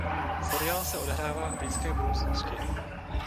Seriál se odehrává v blízké budoucnosti.